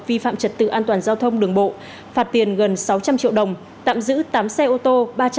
vi phạm trật tự an toàn giao thông đường bộ phạt tiền gần sáu trăm linh triệu đồng tạm giữ tám xe ô tô